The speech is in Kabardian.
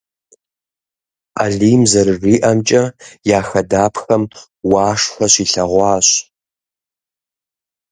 Алим зэрыжиӏэмкӏэ, я хадапхэм уашхэ щилъэгъуащ.